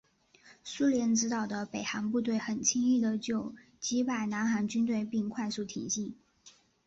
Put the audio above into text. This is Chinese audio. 苏联指导的北韩部队很轻易的就击败南韩军队并快速挺进。